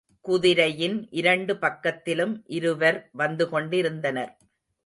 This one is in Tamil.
குதிரையின் இரண்டு பக்கத்திலும் இருவர் வந்துகொண்டிருந்தனர்.